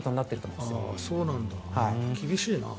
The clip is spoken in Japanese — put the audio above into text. そうなんだ、厳しいな。